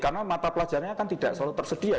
karena mata pelajarannya kan tidak selalu tersedia